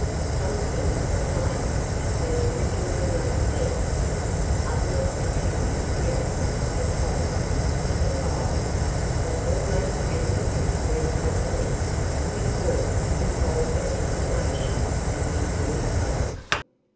Some think the plains have been originally lake beds; others attribute the absence of forests to the fires that almost annually sweep over them (the cause, in vulgar estimation, of Indian summer.)